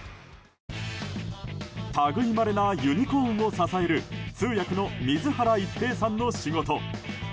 たぐいまれなユニコーンを支える通訳の水原一平さんの仕事。